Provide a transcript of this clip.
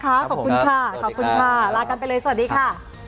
ขอบคุณค่ะขอบคุณค่ะลากันไปเลยสวัสดีค่ะ